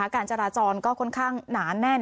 การจราจรก็ค่อนข้างหนาแน่น